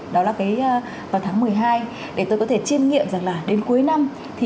đó là vào tháng một mươi hai để tôi có thể chiêm nghiệm rằng là đến cuối năm